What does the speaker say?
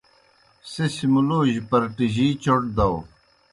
سہ سیْ مُلوجیْ پرٹِجِی چوْٹ داؤ۔